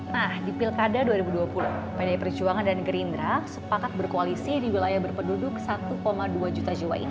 nah di pilkada dua ribu dua puluh pdi perjuangan dan gerindra sepakat berkoalisi di wilayah berpenduduk satu dua juta jiwa ini